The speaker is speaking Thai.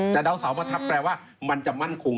แต่ดาวเสาประทับแปลว่ามันจะมั่นคง